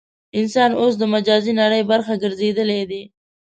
انسان اوس د مجازي نړۍ برخه ګرځېدلی دی.